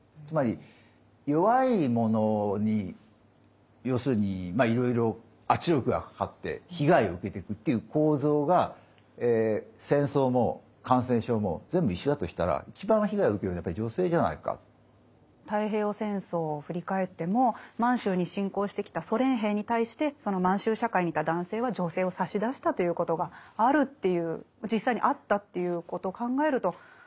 つまり弱い者に要するにいろいろ圧力がかかって被害を受けてくっていう構造が戦争も感染症も全部一緒だとしたら太平洋戦争を振り返っても満州に侵攻してきたソ連兵に対してその満州社会にいた男性は女性を差し出したということがあるっていう実際にあったっていうことを考えると。